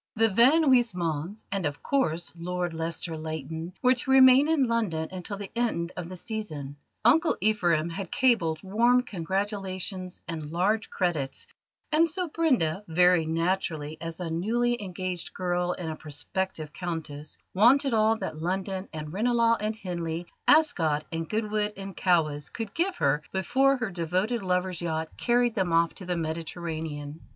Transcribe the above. The Van Huysmans, and, of course, Lord Lester Leighton, were to remain in London until the end of the Season. Uncle Ephraim had cabled warm congratulations and large credits, and so Brenda, very naturally as a newly engaged girl and a prospective Countess, wanted all that London and Ranelagh and Henley, Ascot and Goodwood and Cowes, could give her before her devoted lover's yacht carried them off to the Mediterranean.